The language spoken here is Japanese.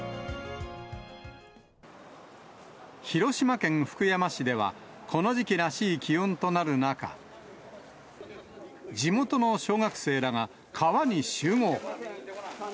広島県福山市では、この時期らしい気温となる中、地元の小学生らが川に集合。